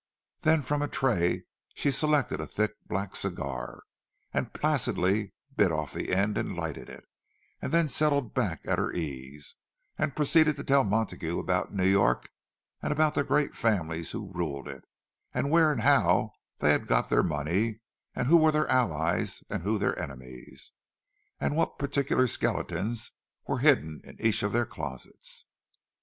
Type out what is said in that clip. Then from a tray she selected a thick black cigar, and placidly bit off the end and lighted it, and then settled back at her ease, and proceeded to tell Montague about New York, and about the great families who ruled it, and where and how they had got their money, and who were their allies and who their enemies, and what particular skeletons were hidden in each of their closets.